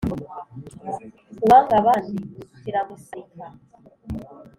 Uwanga abandi kiramusarika